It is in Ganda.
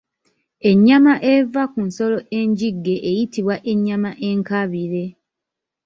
Ennyama eva ku nsolo enjigge eyitibwa Ennyama enkaabire.